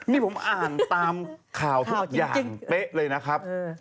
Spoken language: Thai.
นี่ผมอ่านตามข่าวทุกอย่างเป๊ะเลยนะครับ